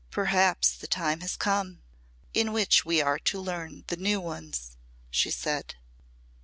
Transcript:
"Perhaps the time has come, in which we are to learn the new ones," she said.